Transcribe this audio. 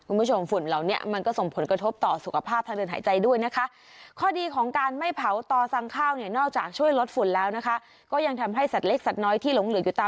ฝุ่นเหล่านี้มันก็ส่งผลกระทบต่อสุขภาพทางเดินหายใจด้วยนะคะ